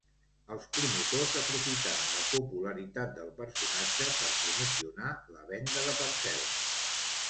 Els promotors aprofitaren la popularitat del personatge per promocionar la venda de parcel·les.